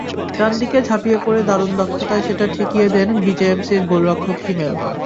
ডান দিকে ঝাঁপিয়ে পড়ে দারুণ দক্ষতায় সেটা ঠেকিয়ে দেন বিজেএমসির গোলরক্ষক হিমেল।